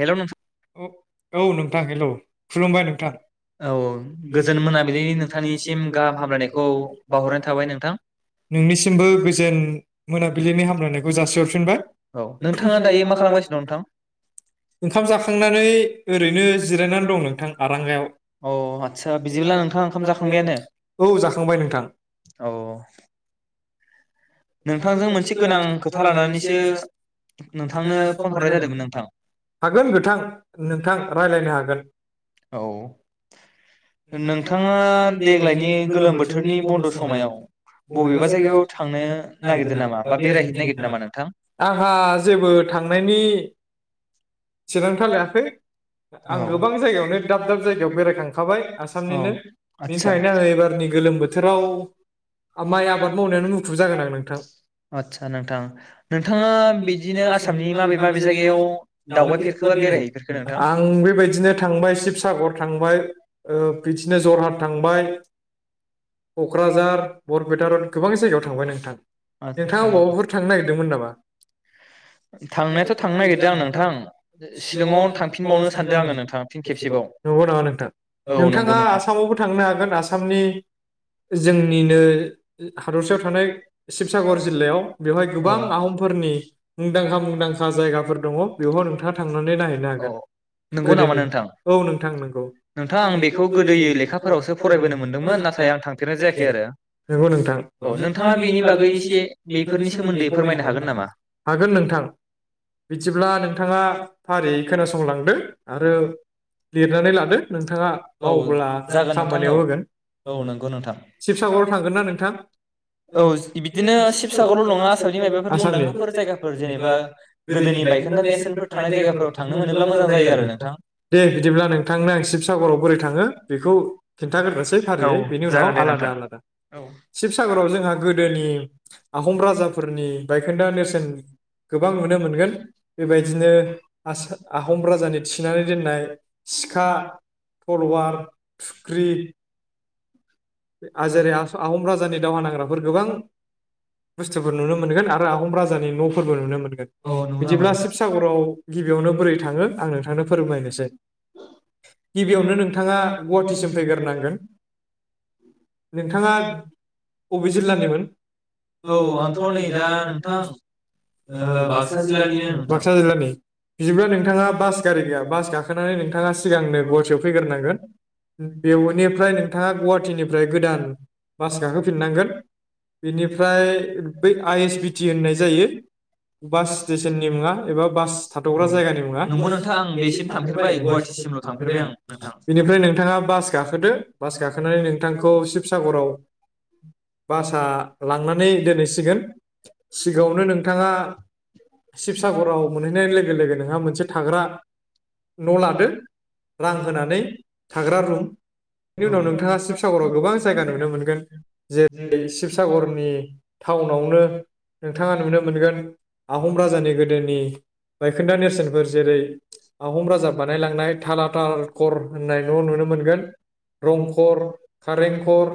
Hello ओ औ नोंथां हेलौ खुलुमबाय नोंथां औ गोजोन मोनाबिलिनि नोंथांनिसिम गाहाम हामग्लायनायखौ बावहरनाय थाबाय नोंथां नोंनिसिमबो गोजोन मोनाबिलिनि हामलायनायखौ जासिहरफिनबाय नोंथाङा दायो मा खालामगासिनो दं नोंथां? ओंखाम जाखांनानै ओरैनो जिरायना दं आरांगायाव अ आदसा बिदिब्ला नोंथाङा ओंखाम जाखांबायानो औ जाखांबायानो नोंथांजों मोनसे गोनां खोथा लानानैसो नोंथांनो फन हरनाय जादोंमोन आं हागोन गोथां नोंथां रायलायनो हागोन औ नोंथाङा देग्लायनि गोलोम बोथोरनि बन्द समायाव बबेबा जायगायाव थांनो नागिरदों नामा बा बेरायहनो नागिरदो नामा? आंहा जेबो थांनायनि थिरांथा लायाखै आं औ गोबां जायगायावनो दाब दाब जायगायाव बेरायखांखाबाय औ आसामनिनो आदसा बेनि थाखायनो आङो एबारनि गोलोम बोथोराव माइ आबाद मावनायावानो मुखुब जागोन आदसा नोंथां नोंथाङा बिदिनो आसामनि माबे माबे जायगायाव आं बेबायदिनो थांबाय शिबसागर थांबाय ओ बिदिनो जरहाट थांबाय कक्राझार बरपेटा रड गोबां जायगायाव थांबाय नोंथां नोंथाङा अबावबाफोर थांनो नागिरदोंमोन नामा? थांनो नागिरदो आं नोंथां शिलंआव थांफिनबावनो सानदों आंङो नंगौ नामा नोंथां नोंथाङा आसामावबो थांनो हागोन आसामनि जोंनिनो हादरसायाव थानाय शिबसागर जिल्लायाव बेवहाय गोबां आहमफोरनि मुंदांखा मुंदांखा जायगाफोर दङ बेयाव औ नंगौ नामा नोंथां नोंथां आं बेखौ गोदोयै लेखाफोरावसो फरायबोनो मोनदोंमोन नाथाय आं थांफेरनाय जायाखै आरो औ नोंथाङा बेनि बागै इसे बेफोरनि सोमोन्दै फोरमायनो हागोन नामा? बिदिब्ला नोंथां नोंथाङा फारि खोनासंलांदो आरो लिरनानै लादो नोंथाङा मावब्ला खामानियाव होगोन औ शिबसागराव थांगोन ना नोंथां? औ बिदिनो शिबसागरल नंआ आसामनि [unintelligible] सिबसागरनिल नंआ जेनेबा आसामनि गोदोनि बायखोनदा नेरसोनफोर [unintelligible] दे बिदिब्ला नोंथांनो आं शिबसागराव बोरै थाङो बेखौ खिन्थाग्रोनोसै फारियै बेनि उनाव आलादा आलादा शिबसागराव जोंहा गोदोनि आहम राजाफोरनि बायखोन्दा नेरसोन गोबां नुनो मोनगोन बेबायदिनो आहम राजानि थिनानै दोननाय सिखा थलवार थुख्रि [inaudible] आजेर आहम राजानि दावहा नांग्राफोर गोबां बुस्थुफोर नुनो मोनगोन आरो आहम राजानि नफोरबो नुनो मोनगोन बिदिब्ला शिबसागराव गिबियावनो बोरै थाङो आं नोंथांनो फोरमलायनोसै गिबियावनो नोंथाङा गुवाहाटिसिम फैगोरोनांगोन नोंथाङा अबि जिल्लानिमोन? औ आंथ नै दा नोंथां ओ बाक्सा जिल्लानि बिदिब्ला नोंथाङा बास गारि गैया बास गाखोनानै नोंथाङा सिगांनो गुवाहाटियाव फैग्रोनांगोन बेनिफ्राय नोंथाङा गुवाहाटिनिफ्राय गोदान बास गांहोफिननांगोन बेनिफ्राय बै आइ एस बिटि होननाय जायो बास स्टेसननि मुङा एबा बास थाथग्रा जायगानि मुङानिफ्राय नोंथाङा बास गाखोदो ब गोनानै नोंथांखौ शिबसागराव बास थांनानै दोनहैसिगोन सिगाङावनो नोंथाङा शिबसागराव मोनहैनाय लोगो लोगो नोंहा मोनसे थाग्रा न लादो रां होनानै थाग्रा रुम उनाव नोंथाङा शिबसागराव गोबां जायगा नुनो मोनगोन जेरै शिबसागरनि टाउनावनो नोंथाङा नुनो मोनगोन आहम राजानि गोदोनि बायखोन्दा नेरसोनफोर जेरै आहम राजा बानायलांनाय थाला तालकर होननाय न नुनो मोनगोन रंघर खारेंखर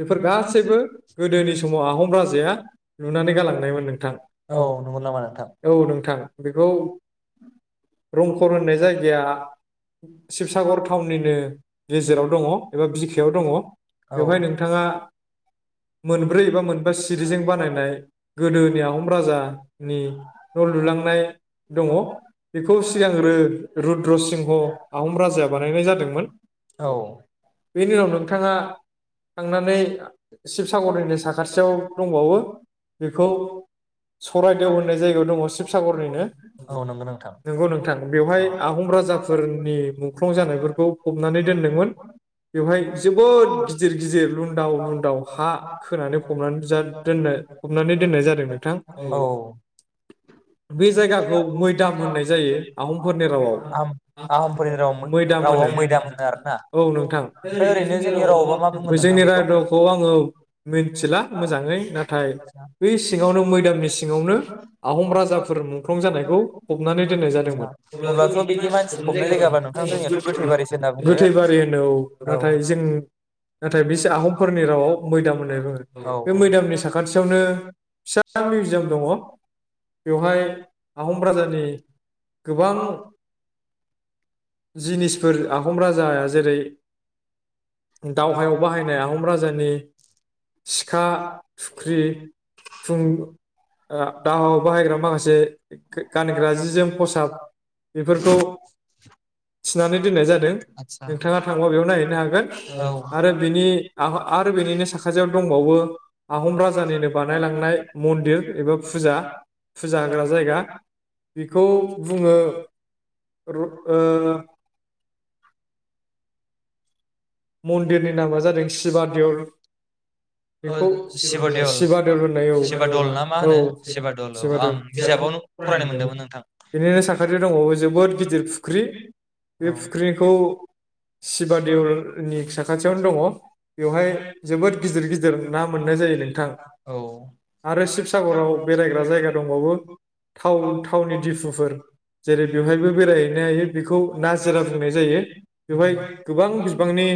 बेफोर गासैबो गोदोनि समाव आहम राजाया नुनानै गालांनायमोन नोंथां औ औ नोंथां बेखौ रंखर होननाय जायगाया शिबसागर टाउननिनो गेजेराव दङ एबा बिखायाव दङ बेवहाय नोंथाङा मोनब्रै एबा मोनबा सिरिजों बानायनाय गोदोनि आहम राजानि न लुलांनाय दङ बेखौ सिगां रुरुद्र सिंह आहम राजाया बानायनाय जादोंमोन। औ बेनि उनाव नोंथाङा थांनानै सि शिबसागरनिनो साखाथियाव दंबावो बेखौ सररायदेव होननाय जायगायाव दङ शिबसागरनिनो नंगौ नोंथां बेवहाय आहम राजाफोरनि मुंख्लं जानायफोरखौ फबनानै दोनदोंमोन बेवहाय जोबोद गिदिर गिदिर लुन्दाव लुन्दाव हा खोनानै हनानै दोन हमनानै दोननाय जादों नोंथां औ बे जायगाखौ मैदाम होननाय जायो आहमफोरनि रावआव मैदाम होनो औ नोंथां ओरैनो जोंनि [unintelligible] आङो मिथिला मोजाङै नाथाय बै सिङावनो मैदामनि सिङावनो आहम राजाफोर मुंख्लं जानायखौ फबनानै दोननाय जादोंमोन अब्ला गोथैबारि होनो औ नाथाय जों नाथाय बिस आहमफोरनि मैदाम होननाय बुङो बे मैदामनि साखाथियावनो फिसा मिउजियाम दङ बेवहाय आहम राजानि गोबां जिनिस आहम राजाया जेरै दावहायाव बाहायनाय आहम राज सिखा, थुंग्रि थुं आ दाहावाव बाहायग्रा माखासे गानग्रा जि-जोम फसाब बेफोरखौ थिनानै औ आरो बेनिनो साखाथियाव दंबावो आहम राजानिनो बानायलांनाय मन्दिर एबा फुजा फुजा होग्रा जायगा बेखौ बुङो रूद ओ मन्दिरनि नामा जादों शिबादेवल बेखौ शिबा देवल होननाय औ औ बेनिनो साखाथियाव दंबावो जोबोद गिदिर फुख्रि बे फुख्रिखौ शिबा देवल साखाथियावनो दंङ बेवहाय जोबोद गिदिर गिदिर ना मोननाय जायो नोंथां आरो‌ शिभसागाव बेरायग्रा जायगा दं बाङो थाव-थावनि दिफुफोर जेरै बेफोरावबो बेरायहैनो हाङो बेखौ नाजिरा बुंनाय जायो बेहाया गोबां‌ बिबा बिबांनि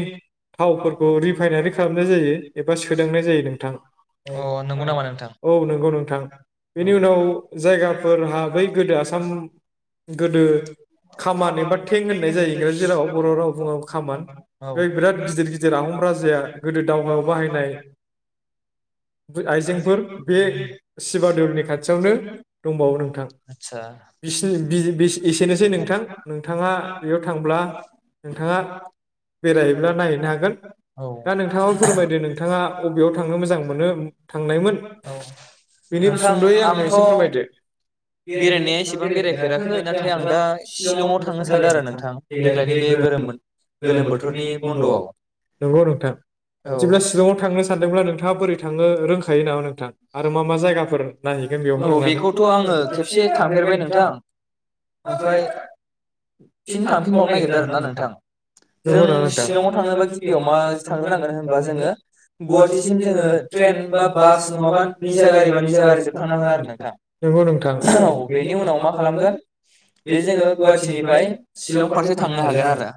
थावफोरखौ रिफाइनारि खालामनाय जायो एबा सोदांनाय जायो नोंथां औ औ नंगौ नोंथां बेनि उनाव जायगाफोरहा बै गोदो आसाम गोदो खामान एबा टें होननाय जायो जिराव बर' राव बुङो खामान आथस्सा बेरायैब्ला नायहैनो हागोन दा नोंथाङा फोरमायदो नोंथाङा अबेयाव थांनो मोजां मोनो थांनायमोन बेनि सुंदयै आंनो एसे फोरमायदो गोलोम बोथ नंगौ नोंथां जेब्ला शिलंआव थांनो सानदोंब्ला नोंथाङा बोरै थांनो रोंखायो नामा नोंथां आरो मा मा जायगाफोर नायहैगोन बेयावबो जों शिलंआव थांनोबा गिबियाव मा थांग्रोनांगोन होनबा जोङो गुवाहाटिसिम जोङो ट्रेन बा-बास नङाबा निजा गारि बा निजा गारिजों थांनो हागोन आरो नोंथां औ बेनि उनाव मा खालामगोन बे जोङो गुवाहाटिनिफ्राय शिलं फारसे थांनो हागोनआरो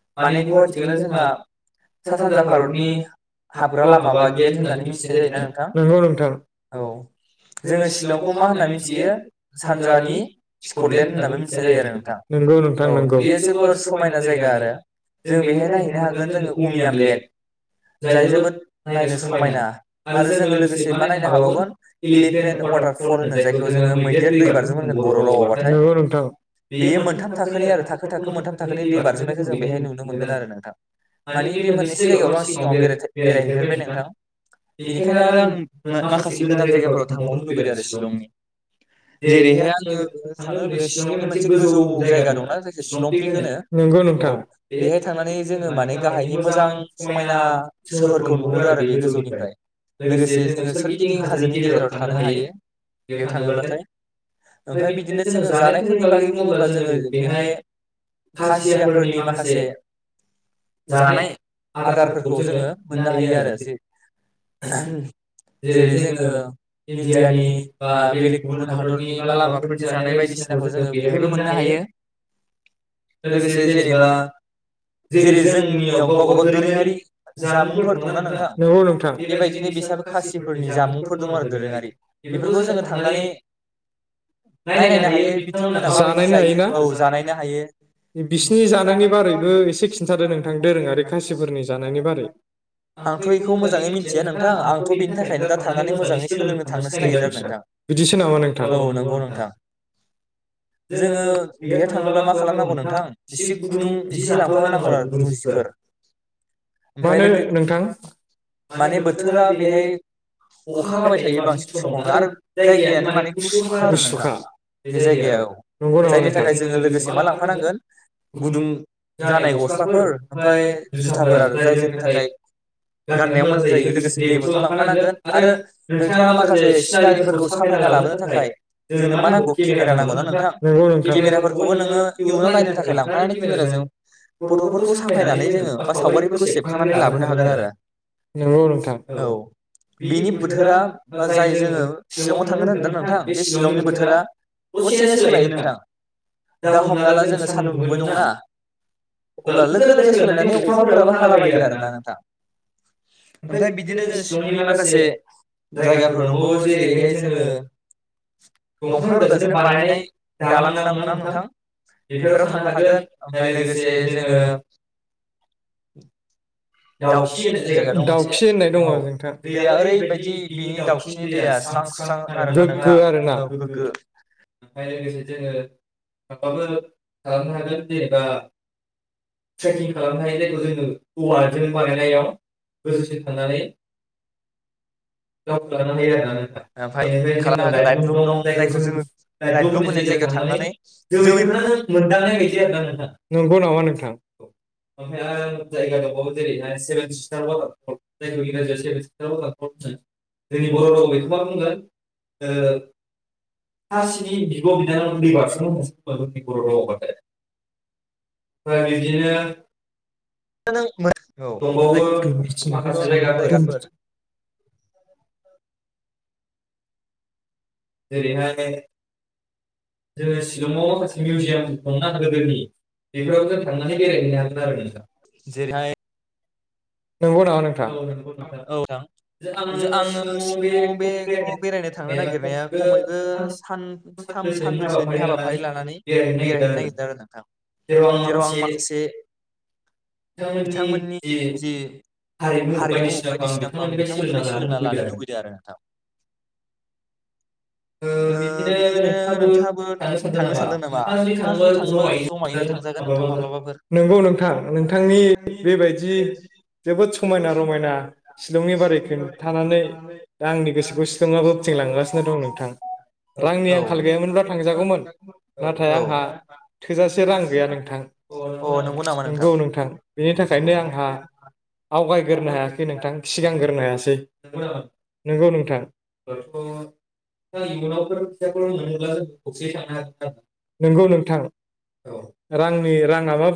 नोंगौ नोथां नोंगौ नोंथां नोंगौ जायगाआरो जों बेहाय नायनो हागोन जों उमियान लेक जाय जोबोद नायनो समायना आरो जों लोगोसे मा नायनो हाबावगोन एलिभेन वाटारफल होनो जायखौ जोङो मैदेर दै बारजोम बुंगोन बर रावआवबाथाय बेयो मोनथाम थाखोनि आरो थाखो थाखो मोनथाम थाखोनि दै बारजुनायखौ जों बेहाय नुनो मोनो आरो नोंथां मानि बे मोननैस जायगायावल आं सिगाङाव बेरायहैफेरबाय नोंथां बेनिखायनो आरो आं माखासे गोदान जायगाफोराव थांबावनो लुगैदों आरो शिलंनि जेरैहाय आङो थांनो लुगैदों शिलंनि मोनसे गोजौ जायगा दंना जायखौ शिलंपिक होनो औ बेहाय थांनानै जोङो माने गाहायनि मोजां समायना सोहोरखौ नुहुरो आरो बे गोजौनिफ्राय लोगोसे जोङो सोरगिदिं हाजोनि गेजेराव थानो हायो बेयाव थाङोब्लाथाय ओमफ्राय बिदिनो जोङो जानायफोरनि बागै बुङोब्ला जोङो बेहाय खासियाफोरनि माखासे जेरै जानाय आदारफोरखौ जोङो मोन्नो हाङो आरो गोनां जेरै जोङो इण्डियानि बा बेलेग गुबुन हादरनि बा लामाफोरनि जानाय बायदिसिना जोङो बेनायखौ नुनो हायो लोगोसे जेनेबा नंगौ नोंथां जानायनो हायो ना बिसिनि जानायनि बारै बो एसे खिन्थादो नोंथां दोरोङारि खासिफोरनि जानायनि बारै । आंथ बेखौ मोजाङै मिथिया नोंथां आंथ बेनि थाखाय थांनानै [inaudible] बिदिसो नामा नोंथां? औ नंगौ नोंथां । जोङो बेहाय थाङोब्ला मा खालामागौ नोंथां? नोंथां एसे गुदुं जि लांफानांगोन आरो गुदुं जिफोर । मानो नोंथां? माने बोथोरा बेहाय अखा हाबाय थायो बांसिन समावनो आरो जायगायानो माने गुसुखा आरो, गुसुखा । बे जायगाया औ । नंगौ नामा नोंथां? [inaudible] [unintelligible] लोगोसे मा लांफानांगोन गुदुं जानाय गस्लाफोर ओमफाय जुथाफोर आरो जाय जोंनि थाखाय गाननाय मोजां जायो लोगोसे दै बथल लांफानांगोन आरो नोंथाङा माखासे सिनारिफोरखौ साफायना लाबोनो थाखाय जोंनो मा नांगौ केमेरा नांगौना नोंथाङा । नोंगौ नोंथां । केमेराफोरखौबो नोङो इउनाव थाखाय लांफानानै केमेरा जों फटफोरखौ साफायनानै जोङो बा सावगारिफोरखौ सेबखांनानै लाबोनो हागोन । आरो औ बेनि बोथोरा बा जाय जोङो शिलंआव थांगोन होनदों नोंथां बे शिलंनि बोथोरा दसेनो सोलायो नोंथां । दा हमना ला जोङो सान्दुं दुंबाय दंना? अब्ला लोगो लोगो सोलायनानै अखाफोराबो हालाबायो आरोना नोंथां ओमफाय बिदिनो जोंङो शिलंनि माखासे जायगाफोर दंबावो जेरैहाय जोङो दंफां रोदाजोनो बानायनाय दालां नां ना नोंथां बेफोराव थांनो हागोन । फाय लोगोसे जोङो दाउखि होननाय जायगा, दाउखि होननाय दङ नोंथां । दैया ओरैबायदि बिनि दाउखिनि दैया स्रां स्रां, गोग्गो आरो ना? ओमफाय लोगोसे जोङो [inaudible] खालामनो हागोन । जेनेबा ट्रेकिं खालामनो हायो जायखौ जोङो वालजों बानायनायाव गोजौसिन थांनानै दावखो लानो हायो आरो ना? [unintelligible] जायगायाव थांनानै [unintelligible] [inaudible] आरोना नोंथां । नंगौ नामा नोंथां । ओमफ्राय आं जायगा दंबो जेरैहाय सेेबेन सिस्टार [inaudible] नंगौ नामा नोंथां [unintelligible] जोंनि बर' रावै बेखौ मा बुंगोन ओ सा स्नि बिब बिनानाव दै बाज्रुम जोंनि बर' राव बाथाय । [inaudible] इदिनो दंबावो माखासे जायगाफोर जेरैहाय जोङो शिलंआव माखासे मिउजियाम दंना गोदोनि बेफोराव जों थांनानै बेरायहैनो हागोन आरो नोंथां । जेरैहाय नोंगौ नामा नों थां । औ नंगौ नोंथां ।आङो सिङाव बे [inaudible] खमैबो सानथाम सानब्रैसोनि हाबाफारि लानानै बेरायहैनो नागिरदों आरो नोंथां ।जेराव आं माखासे बिथांमोननि जि हारिमु बायदिसिनाखौ आं बिथांमोननिफ्राय सोलोंना लानानै लुबैदों आरो ओ बिदिनो नोंथाङाबो थांनो सानदों नामा? नोंथाङा जुदि थाङोबा जमायै थांगोन माब्लाबफोर । नंगौ नोंथां नोंथांनि बेबायदि जोबोद समायना रमायना शिलंनि बारै खिन्थानानै दा आंनि गोसोखौ शिलङाबो फिथिंलांगासिनो दं नों थां, रांनि आंखाल गैयामोनब्ला थांजागौमोन । नाथाय आंहा थोजासे रां गैया नोंथां । औ नंगौ नामा? नंगौ नोंथां बेनि थाखायनो आंहा आवगाय गोरनो हायाखै नोंथां सिगां होगोरनो हायासै नंगौ नोंथां। [unintelligible] नंगौ नोंथां औ रांनि राङा मा